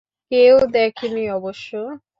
কেউ দেখেনি অবশ্য।